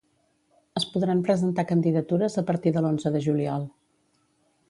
Es podran presentar candidatures a partir de l’onze de juliol.